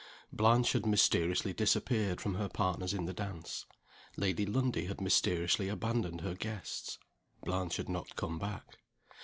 Blanche had mysteriously disappeared from her partners in the dance. Lady Lundie had mysteriously abandoned her guests. Blanche had not come back.